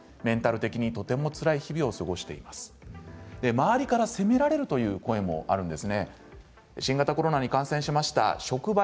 周りから責められるという声もあります。